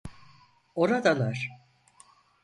Oradalar!